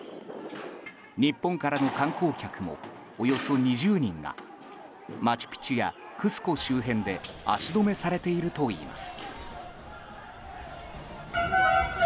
日本からの観光客もおよそ２０人がマチュピチュやクスコ周辺で足止めされているといいます。